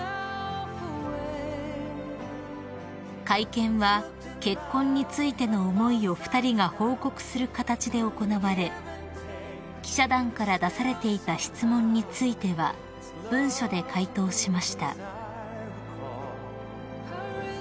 ［会見は結婚についての思いを２人が報告する形で行われ記者団から出されていた質問については文書で回答しました］